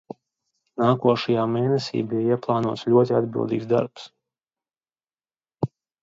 Nākošajā mēnesī bija ieplānots ļoti atbildīgs darbs.